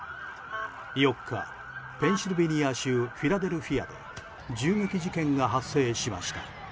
４日、ペンシルベニア州フィラデルフィアで銃撃事件が発生しました。